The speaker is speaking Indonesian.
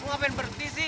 lu ngapain berhenti sih